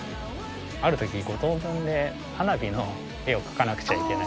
ある時『五等分』で花火の絵を描かなくちゃいけない。